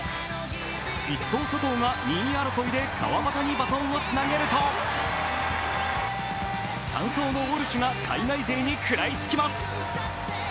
１走・佐藤が２位争いで川端にバトンをつなげると、３走のウォルシュが海外勢に食らいつきます。